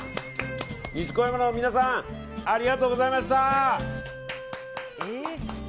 西小山の皆さんありがとうございました！